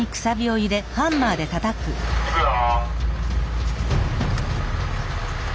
いくよ。